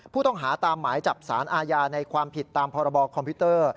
ผู้ต้องหาตามหมายจับสารอาญาในความผิดตามพรบคอมพิวเตอร์